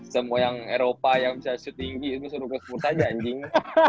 semua yang eropa yang bisa shooting gitu disuruh kespurs aja anjing